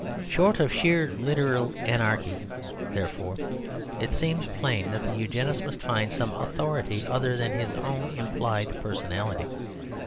Short of sheer literal anarchy, therefore, it seems plain that the Eugenist must find some authority other than his own implied personality.